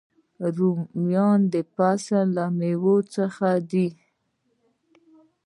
رومیان د فصل له میوو څخه دي